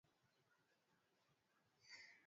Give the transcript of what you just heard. Myuwa njo inaletaka sukari